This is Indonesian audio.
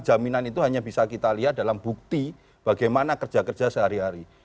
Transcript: jaminan itu hanya bisa kita lihat dalam bukti bagaimana kerja kerja sehari hari